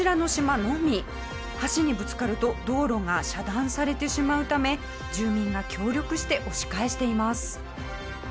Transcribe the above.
橋にぶつかると道路が遮断されてしまうため住民が協力して押し返しています。